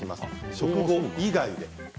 食後以外です。